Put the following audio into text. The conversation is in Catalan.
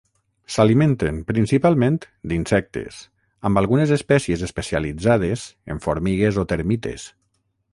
S'alimenten principalment d'insectes, amb algunes espècies especialitzades en formigues o termites.